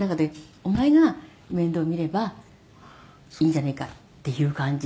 「“お前が面倒見ればいいじゃねえか”っていう感じで」